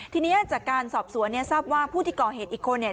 ทีนี้จากการสอบสวนเนี่ยทราบว่าผู้ที่ก่อเหตุอีกคนเนี่ย